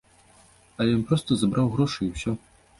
Але ён проста забраў грошы і ўсё.